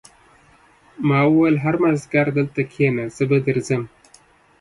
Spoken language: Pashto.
ما وویل هر مازدیګر دلته کېنه زه به درځم